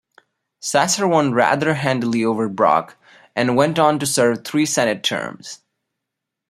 Sasser won rather handily over Brock, and went on to serve three Senate terms.